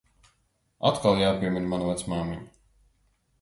Atkal jāpiemin mana vecmāmiņa.